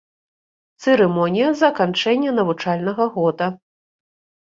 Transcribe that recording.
Цырымонія заканчэння навучальнага года.